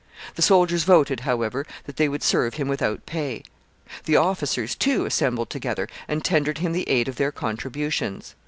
The soldiers voted, however, that they would serve him without pay. The officers, too, assembled together, and tendered him the aid of their contributions.